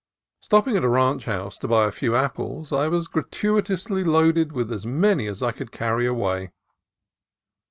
Stopping at a ranch house to buy a few apples, I was gratuitously loaded with as many as I could carry away.